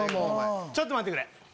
ちょっと待ってくれ。